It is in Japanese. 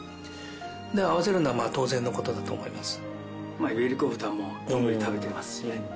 だから合わせるのは当然の事だと思います。